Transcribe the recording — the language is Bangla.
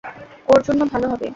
ওর জন্য ভালো হবে।